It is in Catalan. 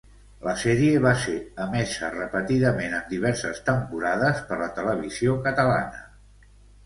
La sèrie va ser emesa repetidament en diverses temporades per la Televisió Catalana.